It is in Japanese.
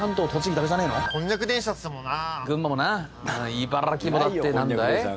茨城もだって何だい？